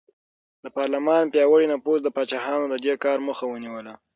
د پارلمان پیاوړي نفوذ د پاچاهانو د دې کار مخه ونیوله.